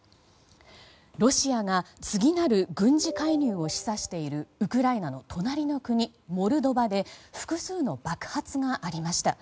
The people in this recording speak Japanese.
ロシアが次なる軍事介入を示唆しているウクライナの隣の国モルドバで複数の爆発がありました。